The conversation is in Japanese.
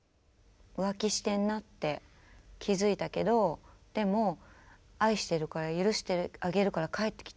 浮気してるなって気付いたけどでも愛してるから許してあげるから帰ってきてほしいっていう。